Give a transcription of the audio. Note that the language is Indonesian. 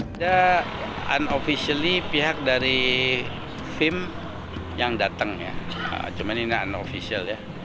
tidak unofficially pihak dari fim yang datang ya cuman ini unofficial ya